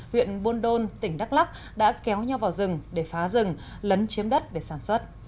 huyện buôn đôn tỉnh đắk lắc đã kéo nhau vào rừng để phá rừng lấn chiếm đất để sản xuất